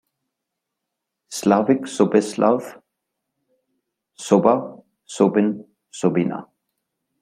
Slavic Soběslav - "Soba", "Sobin", "Sobina".